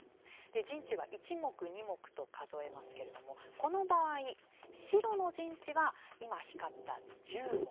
陣地は１目、２目と数えますけれどもこの場合、白の陣地は今、光った１０目。